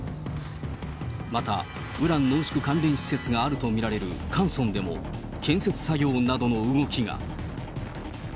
また、ウラン濃縮関連施設があると見られるカンソンでも、建設作業などの動きが。